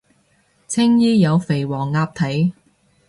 青衣有肥黃鴨睇